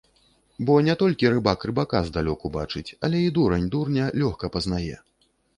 Бо не толькі рыбак рыбака здалёку бачыць, але і дурань дурня лёгка пазнае.